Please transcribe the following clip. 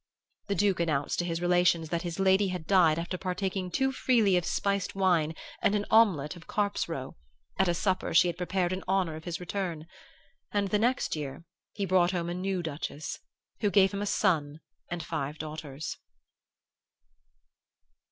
"The Duke announced to his relations that his lady had died after partaking too freely of spiced wine and an omelet of carp's roe, at a supper she had prepared in honor of his return; and the next year he brought home a new Duchess, who gave him a son and five daughters...."